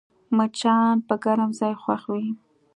مچان پر ګرم ځای خوښ وي